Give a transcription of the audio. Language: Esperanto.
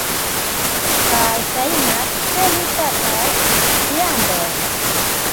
Kaj ŝajnas, ke li ŝatas viandon.